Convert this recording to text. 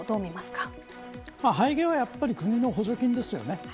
背景はやっぱり国の補助金ですよね。